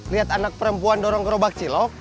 lihat anak perempuan dorong gerobak cilok